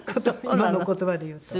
今の言葉で言うと。